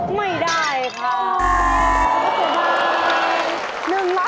ไม่ได้ค่ะ